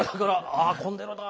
あ混んでるな。